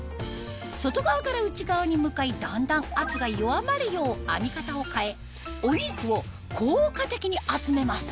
外側から内側に向かいだんだん圧が弱まるよう編み方を変えお肉を効果的に集めます